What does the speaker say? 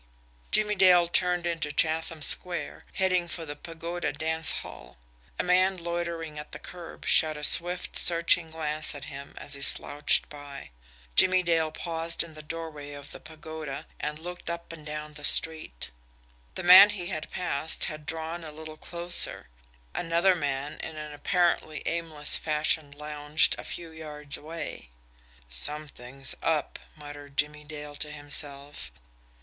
Jimmie Dale turned into Chatham Square, heading for the Pagoda Dance Hall. A man loitering at the curb shot a swift, searching glance at him as he slouched by. Jimmie Dale paused in the doorway of the Pagoda and looked up and down the street. The man he had passed had drawn a little closer; another man in an apparently aimless fashion lounged a few yards away. "Something up," muttered Jimmie Dale to himself.